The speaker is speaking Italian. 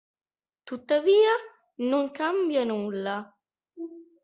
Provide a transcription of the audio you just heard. Tuttavia non cambia nulla.